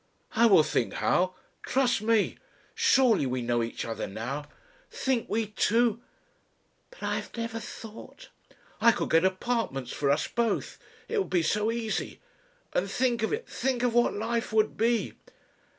"I will think how. Trust me! Surely we know each other now Think! We two " "But I have never thought " "I could get apartments for us both. It would be so easy. And think of it think of what life would be!"